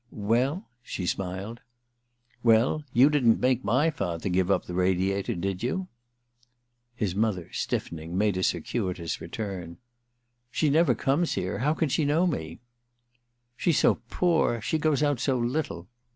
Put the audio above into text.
* Well ?' she smiled. * Well — you didn't make my father give up the Radiator^ did you ?' His mother, stiffening, made a circuitous return :* She never comes here. How can she know me ?'* She's so poor ! She goes out so little.